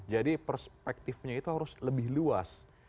jadi perspektifnya itu harus lebih luas